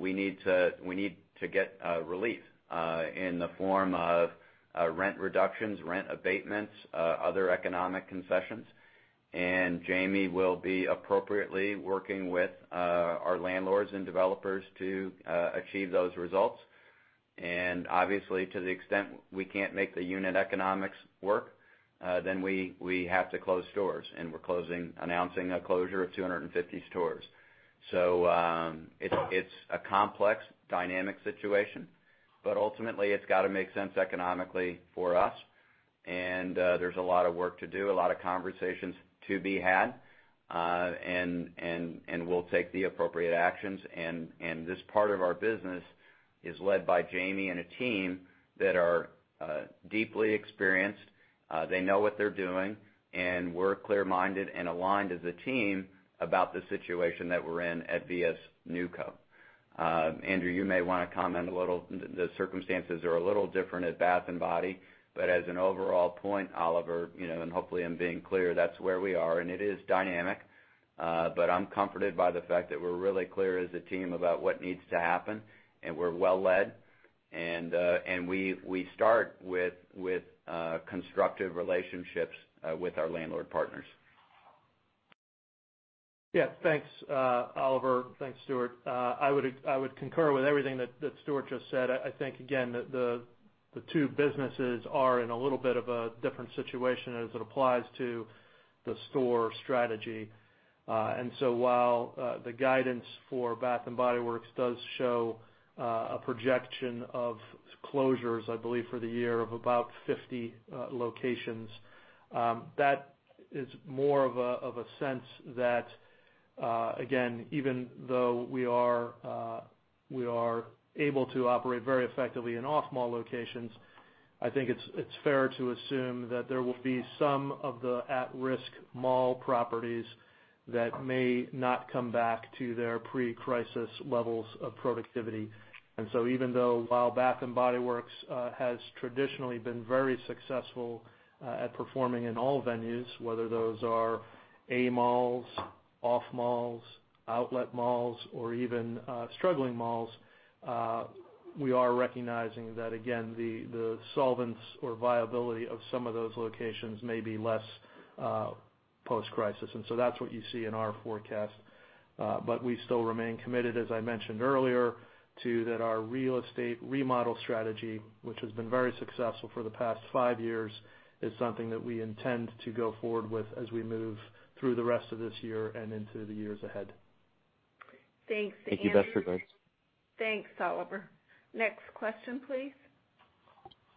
we need to get relief in the form of rent reductions, rent abatements, other economic concessions. Jamie will be appropriately working with our landlords and developers to achieve those results. Obviously, to the extent we can't make the unit economics work, then we have to close stores, and we're announcing a closure of 250 stores. It's a complex, dynamic situation, but ultimately, it's got to make sense economically for us. There's a lot of work to do, a lot of conversations to be had. We'll take the appropriate actions. This part of our business is led by Jamie and a team that are deeply experienced. They know what they're doing, and we're clear-minded and aligned as a team about the situation that we're in at VS NewCo. Andrew, you may want to comment a little. The circumstances are a little different at Bath & Body, but as an overall point, Oliver, and hopefully I'm being clear, that's where we are, and it is dynamic. I'm comforted by the fact that we're really clear as a team about what needs to happen, and we're well-led. We start with constructive relationships with our landlord partners. Yeah. Thanks, Oliver. Thanks, Stuart. I would concur with everything that Stuart just said. I think, again, the two businesses are in a little bit of a different situation as it applies to the store strategy. While the guidance for Bath & Body Works does show a projection of closures, I believe, for the year of about 50 locations. It's more of a sense that, again, even though we are able to operate very effectively in off-mall locations, I think it's fair to assume that there will be some of the at-risk mall properties that may not come back to their pre-crisis levels of productivity. Even though, while Bath & Body Works has traditionally been very successful at performing in all venues, whether those are A malls, off malls, outlet malls, or even struggling malls, we are recognizing that, again, the solvency or viability of some of those locations may be less post-crisis. That's what you see in our forecast. We still remain committed, as I mentioned earlier, to that our real estate remodel strategy, which has been very successful for the past five years, is something that we intend to go forward with as we move through the rest of this year and into the years ahead. Thanks, Andrew. Thank you. Best regards. Thanks, Oliver. Next question, please.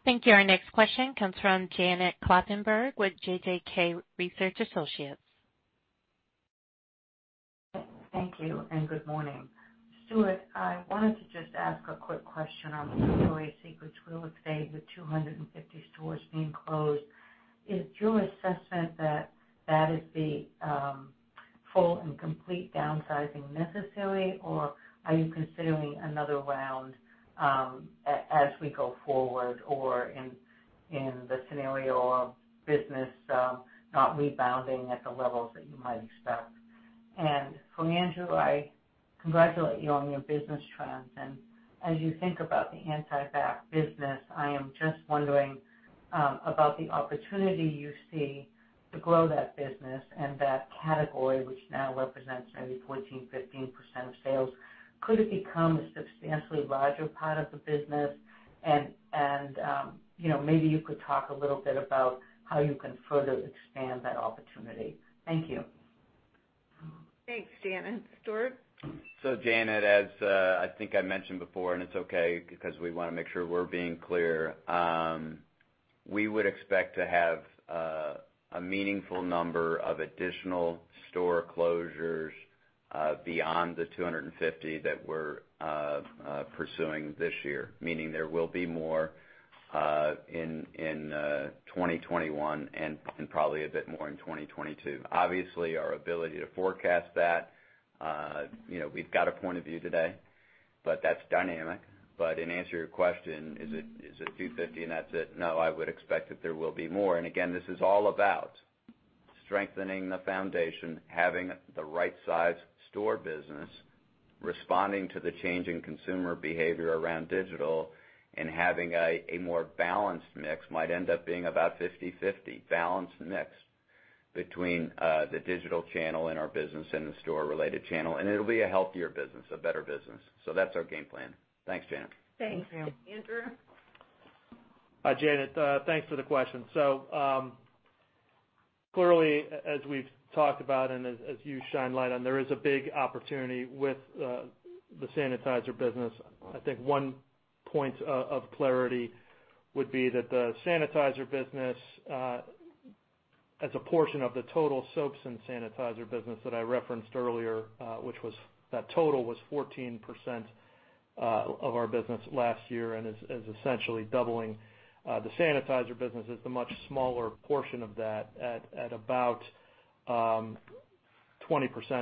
Thank you. Our next question comes from Janet Kloppenburg with JJK Research Associates. Thank you and good morning. Stuart, I wanted to just ask a quick question on Victoria's Secret's real estate, with 250 stores being closed. Is your assessment that that is the full and complete downsizing necessary, or are you considering another round as we go forward, or in the scenario of business not rebounding at the levels that you might expect? For Andrew, I congratulate you on your business trends. As you think about the anti-bac business, I am just wondering about the opportunity you see to grow that business and that category, which now represents maybe 14%, 15% of sales. Could it become a substantially larger part of the business? Maybe you could talk a little bit about how you can further expand that opportunity. Thank you. Thanks, Janet. Stuart? Janet, as I think I mentioned before, and it's okay because we want to make sure we're being clear. We would expect to have a meaningful number of additional store closures beyond the 250 that we're pursuing this year, meaning there will be more in 2021 and probably a bit more in 2022. Obviously, our ability to forecast that, we've got a point of view today, but that's dynamic. In answer to your question, is it 250 and that's it? No, I would expect that there will be more. Again, this is all about strengthening the foundation, having the right size store business, responding to the change in consumer behavior around digital and having a more balanced mix might end up being about 50/50 balanced mix between the digital channel in our business and the store related channel. It'll be a healthier business, a better business. That's our game plan. Thanks, Janet. Thanks, Stuart. Andrew? Hi, Janet. Thanks for the question. Clearly as we've talked about and as you shine light on, there is a big opportunity with the sanitizer business. I think one point of clarity would be that the sanitizer business, as a portion of the total soaps and sanitizer business that I referenced earlier, which that total was 14% of our business last year and is essentially doubling the sanitizer business, is the much smaller portion of that at about 20%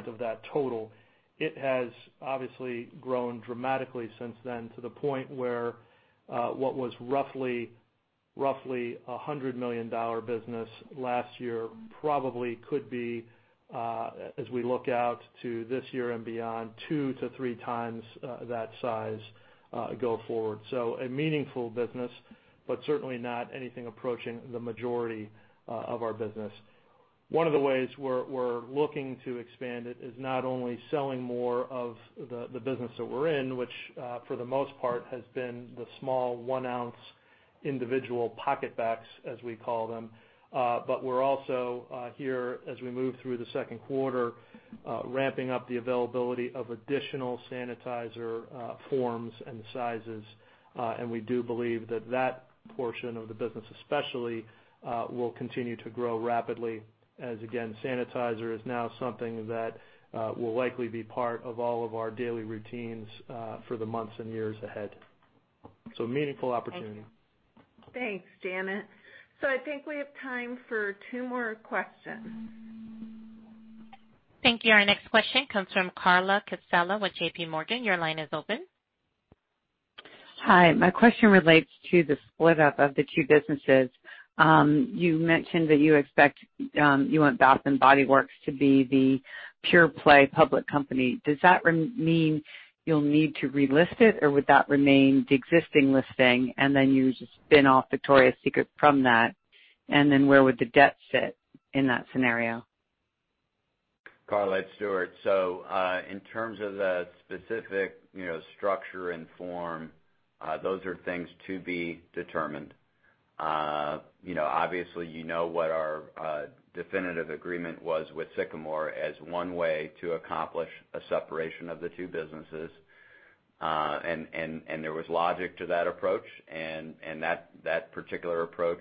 of that total. It has obviously grown dramatically since then to the point where what was roughly $100 million business last year probably could be, as we look out to this year and beyond, two to three times that size go forward. A meaningful business, but certainly not anything approaching the majority of our business. One of the ways we're looking to expand it is not only selling more of the business that we're in, which for the most part has been the small one ounce individual PocketBac, as we call them. We're also here as we move through the second quarter, ramping up the availability of additional sanitizer forms and sizes. We do believe that that portion of the business especially, will continue to grow rapidly as, again, sanitizer is now something that will likely be part of all of our daily routines for the months and years ahead. Meaningful opportunity. Thanks, Janet. I think we have time for two more questions. Thank you. Our next question comes from Carla Casella with JPMorgan. Your line is open. Hi, my question relates to the split up of the two businesses. You mentioned that you want Bath & Body Works to be the pure play public company. Does that mean you'll need to relist it or would that remain the existing listing and then you just spin off Victoria's Secret from that? Where would the debt sit in that scenario? Carla, it's Stuart. In terms of the specific structure and form, those are things to be determined. Obviously, you know what our definitive agreement was with Sycamore as one way to accomplish a separation of the two businesses. There was logic to that approach, and that particular approach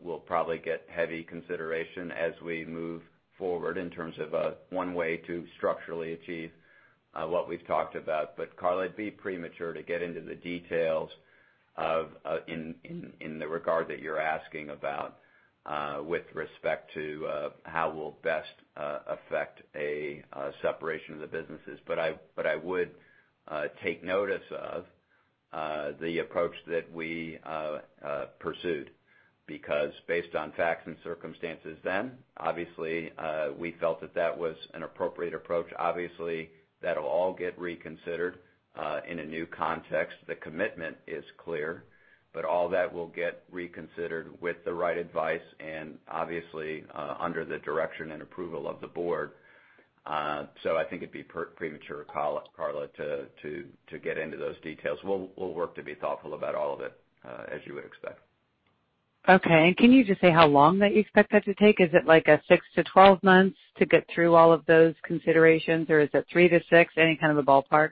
will probably get heavy consideration as we move forward in terms of one way to structurally achieve what we've talked about. Carla, it'd be premature to get into the details in the regard that you're asking about with respect to how we'll best affect a separation of the businesses. I would take notice of the approach that we pursued, because based on facts and circumstances then, obviously, we felt that that was an appropriate approach. Obviously, that'll all get reconsidered, in a new context. The commitment is clear. All that will get reconsidered with the right advice and obviously, under the direction and approval of the board. I think it'd be premature, Carla, to get into those details. We'll work to be thoughtful about all of it, as you would expect. Okay. Can you just say how long that you expect that to take? Is it like a 6-12 months to get through all of those considerations, or is it three to six? Any kind of a ballpark?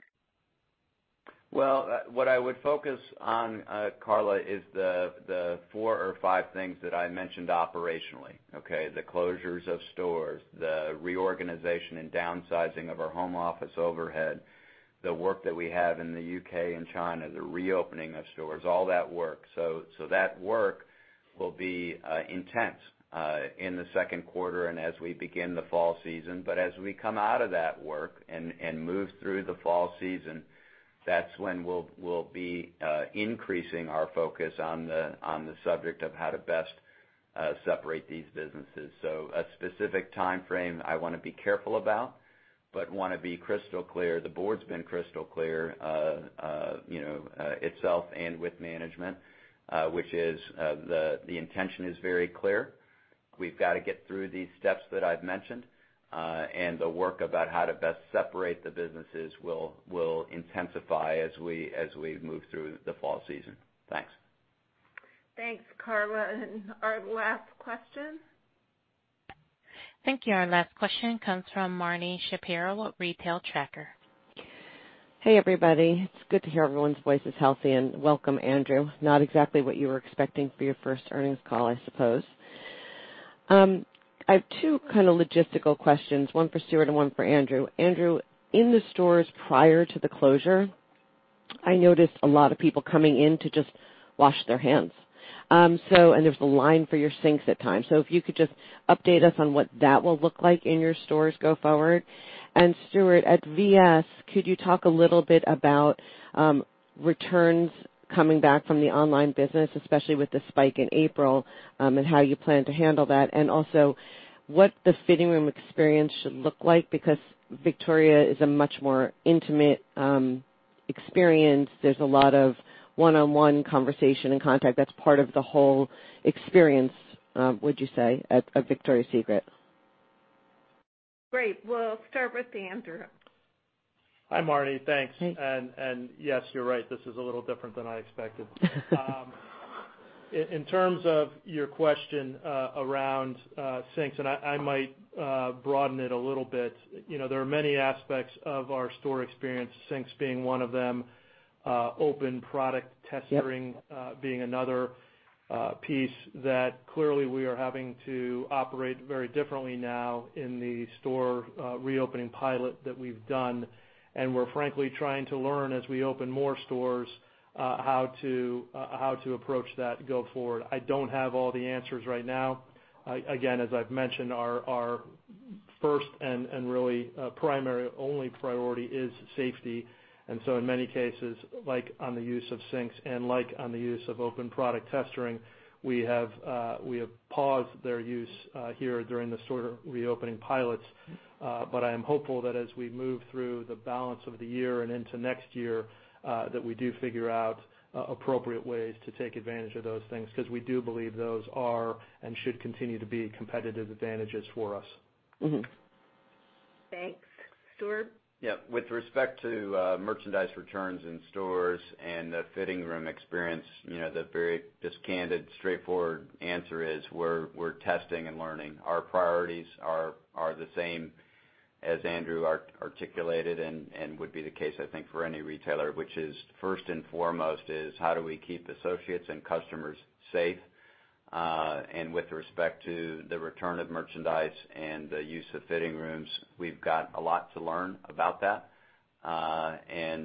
Well, what I would focus on, Carla, is the four or five things that I mentioned operationally, okay? The closures of stores, the reorganization and downsizing of our home office overhead, the work that we have in the U.K. and China, the reopening of stores, all that work. That work will be intense in the second quarter and as we begin the fall season. As we come out of that work and move through the fall season, that's when we'll be increasing our focus on the subject of how to best separate these businesses. A specific timeframe I want to be careful about, but want to be crystal clear, the board's been crystal clear itself and with management, which is the intention is very clear. We've got to get through these steps that I've mentioned. The work about how to best separate the businesses will intensify as we move through the fall season. Thanks. Thanks, Carla. Our last question. Thank you. Our last question comes from Marni Shapiro at Retail Tracker. Hey, everybody. It's good to hear everyone's voice is healthy. Welcome, Andrew. Not exactly what you were expecting for your first earnings call, I suppose. I have two logistical questions, one for Stuart and one for Andrew. Andrew, in the stores prior to the closure, I noticed a lot of people coming in to just wash their hands. There's a line for your sinks at times. If you could just update us on what that will look like in your stores go forward. Stuart, at VS, could you talk a little bit about returns coming back from the online business, especially with the spike in April, and how you plan to handle that? Also what the fitting room experience should look like, because Victoria is a much more intimate experience. There's a lot of one-on-one conversation and contact. That's part of the whole experience, would you say, at Victoria's Secret. Great. We'll start with Andrew. Hi, Marni. Thanks. Hey. Yes, you're right. This is a little different than I expected. In terms of your question around sinks, and I might broaden it a little bit. There are many aspects of our store experience, sinks being one of them, open product testing. Yep. Being another piece that clearly we are having to operate very differently now in the store reopening pilot that we've done. We're frankly trying to learn as we open more stores, how to approach that go forward. I don't have all the answers right now. Again, as I've mentioned, our first and really primary only priority is safety. In many cases, like on the use of sinks and like on the use of open product testing, we have paused their use here during the store reopening pilots. I am hopeful that as we move through the balance of the year and into next year, that we do figure out appropriate ways to take advantage of those things, because we do believe those are and should continue to be competitive advantages for us. Thanks. Stuart? Yeah. With respect to merchandise returns in stores and the fitting room experience, the very just candid, straightforward answer is we're testing and learning. Our priorities are the same as Andrew articulated and would be the case, I think, for any retailer, which is first and foremost is how do we keep associates and customers safe? With respect to the return of merchandise and the use of fitting rooms, we've got a lot to learn about that. As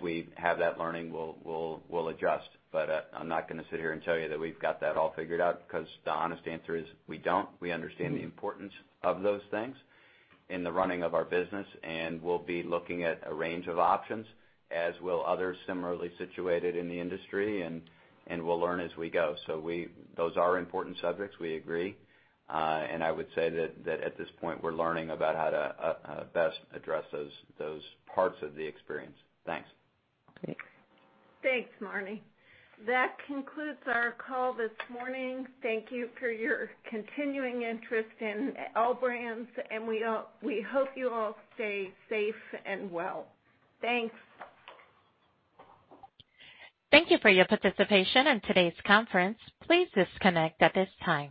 we have that learning, we'll adjust. I'm not gonna sit here and tell you that we've got that all figured out because the honest answer is we don't. We understand the importance of those things in the running of our business, and we'll be looking at a range of options, as will others similarly situated in the industry, and we'll learn as we go. Those are important subjects, we agree. I would say that at this point, we're learning about how to best address those parts of the experience. Thanks. Thanks. Thanks, Marni. That concludes our call this morning. Thank you for your continuing interest in L Brands, and we hope you all stay safe and well. Thanks. Thank you for your participation in today's conference. Please disconnect at this time.